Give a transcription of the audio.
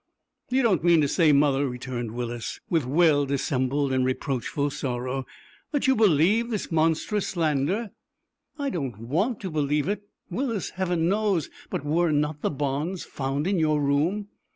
"You don't mean to say, mother," returned Willis, with well dissembled and reproachful sorrow, "that you believe this monstrous slander?" "I don't want to believe it, Willis, heaven knows. But were not the bonds found in your room?"